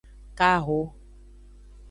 Kaho.